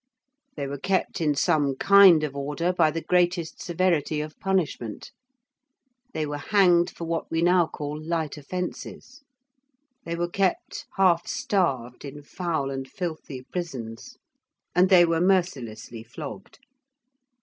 They were kept in some kind of order by the greatest severity of punishment. They were hanged for what we now call light offences: they were kept half starved in foul and filthy prisons: and they were mercilessly flogged.